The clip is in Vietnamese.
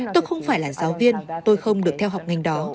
tôi không phải là giáo viên tôi không được theo học ngành đó